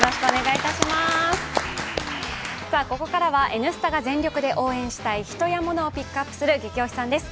ここからは「Ｎスタ」が全力で応援したい人やものをピックアップする「ゲキ推しさん」です